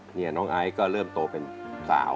นี่น้องไอซ์ก็เริ่มโตเป็นสาว